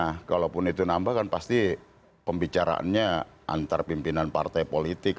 nah kalaupun itu nambah kan pasti pembicaraannya antar pimpinan partai politik